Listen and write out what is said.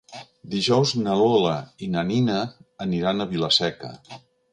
Dijous na Lola i na Nina aniran a Vila-seca.